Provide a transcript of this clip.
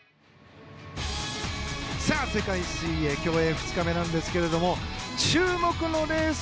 世界水泳競泳２日目なんですが注目のレース